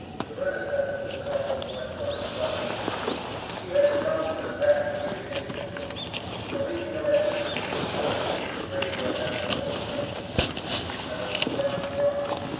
Serenus had what they called an electronic drive. She had to run with an evacuated engine room. The leaking electricity would have broken any stray air down to ozone, which eats metal and rots lungs.